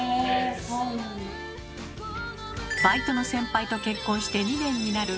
バイトの先輩と結婚して２年になる貝川さんも。